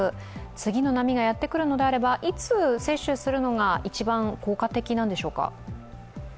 次の波がやってくるのであれば、いつ接種するのが一番効果的なんでしょうか。